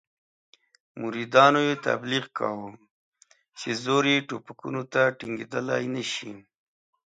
مریدانو یې تبلیغ کاوه چې زور یې ټوپکونو ته ټینګېدلای نه شي.